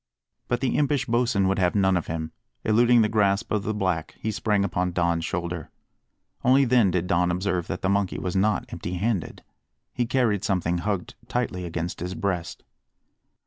But the impish Bosin would have none of him; eluding the grasp of the black, he sprang upon Don's shoulder. Only then did Don observe that the monkey was not empty handed. He carried something hugged tightly against his breast.